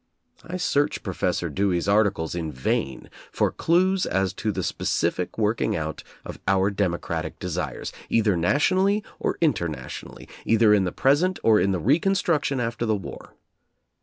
I search Pro fessor Dewey's articles in vain for clews as to the specific working out of our democratic desires, either nationally or internationally, either in the present or in the reconstruction after the war.